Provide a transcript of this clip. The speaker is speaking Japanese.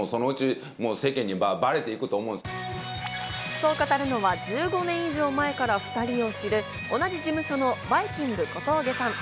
そう語るのは、１５年以上前から２人を知る、同じ事務所のバイきんぐ・小峠さん。